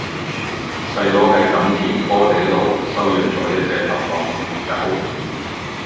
細佬喺錦田波地路收養左一隻流浪狗